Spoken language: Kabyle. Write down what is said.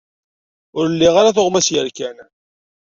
Ur liɣ ara tuɣmas yerkan.